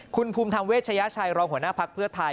คุณภูมิธรรมเวชยชัยรองหัวหน้าภักดิ์เพื่อไทย